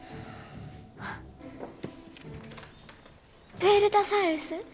プエルタサウルス？